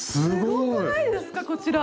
すごくないですかこちら！